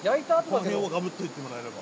これをがぶって行ってもらえれば。